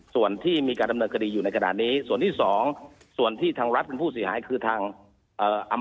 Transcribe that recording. สั่งการครับค่ะท่านนายสงการเดี๋ยวยังไงตามข่าวนี้กันต่อนะครับ